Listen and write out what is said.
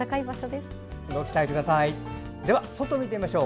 では、外を見てみましょう。